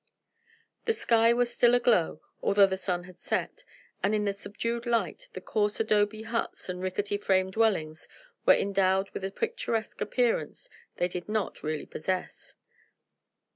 The sky was still aglow, although the sun had set, and in the subdued light the coarse adobe huts and rickety frame dwellings were endowed with a picturesque appearance they did not really possess.